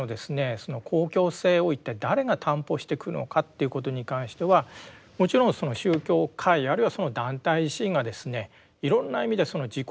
その公共性を一体誰が担保していくのかということに関してはもちろんその宗教界あるいはその団体自身がですねいろんな意味で自己批判的にですね